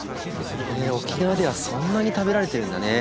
へえ沖縄ではそんなに食べられてるんだね。